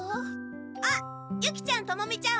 あっユキちゃんトモミちゃん